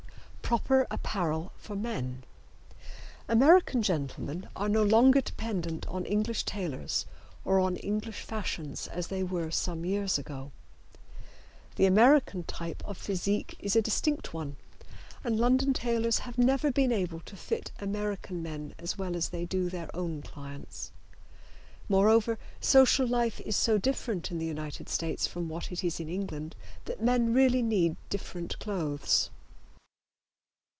PROPER APPAREL FOR MEN. American gentlemen are no longer dependent on English tailors or on English fashions as they were some years ago. The American type of physique is a distinct one, and London tailors have never been able to fit American men as well as they do their own clients. Moreover social life is so different in the United States from what it is in England that men really need different clothes.